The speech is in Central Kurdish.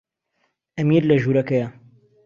ئەمیر لە ژوورەکەیە.